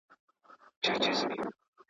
غنم ووېشه پر دواړو جوالونو.